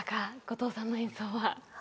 後藤さんの演奏は。